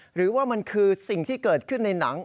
หรือว่ามันคือสิ่งที่เกิดขึ้นในหนัง